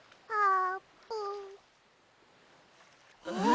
ああ！